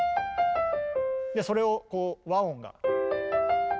それをこう和音が。